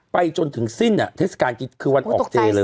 จนถึงสิ้นเทศกาลกินคือวันออกเจเลย